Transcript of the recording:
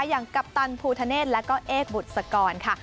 อย่างกัปตันภูทะเนธและก็เอกบุษกรค่ะ